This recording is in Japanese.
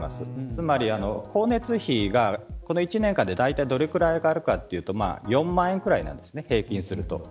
つまり、光熱費がこの１年間でだいたいどれぐらい上がるかっていうのは４万円ぐらいなんです平均すると。